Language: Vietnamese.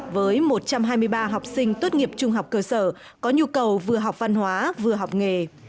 với một trăm hai mươi ba học sinh tốt nghiệp trung học cơ sở có nhu cầu vừa học văn hóa vừa học nghề